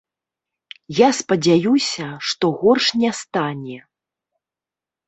Я спадзяюся, што горш не стане.